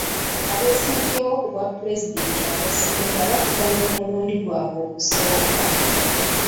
Abeesimbyewo ku bwa pulezidenti abasinga bavuganya omulundi gwabwe ogusooka.